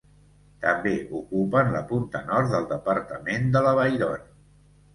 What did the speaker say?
També ocupen la punta nord del departament de l'Avairon.